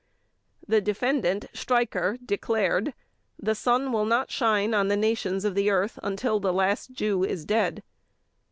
The Defendant STREICHER declared: "The sun will not shine on the nations of the earth until the last Jew is dead."